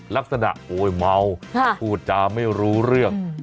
ลักษณะโวยเมาค่ะพูดจาไม่รู้เรื่องอืม